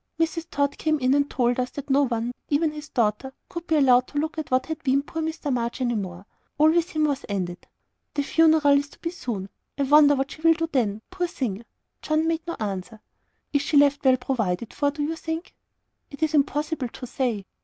Mrs. Tod came in, and told us that no one not even his daughter could be allowed to look at what had been "poor Mr. March," any more. All with him was ended. "The funeral is to be soon. I wonder what she will do then, poor thing!" John made me no answer. "Is she left well provided for, do you think?" "It is impossible to say."